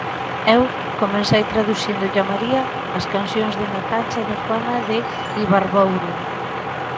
Eu comecei traducíndolle a María as cancións de Natacha de Juana de Ibarbourou.